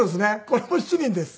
これも７人です。